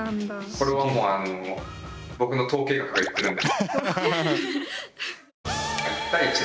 これはもう僕の統計学が言ってるんで。